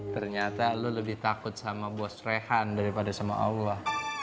ternyata lu lebih takut sama bos rehan daripada sama allah